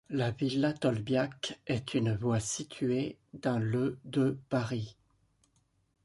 La villa Tolbiac est une voie située dans le de Paris.